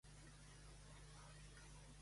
Doerr és membre del Saló de la Fama del Beisbol.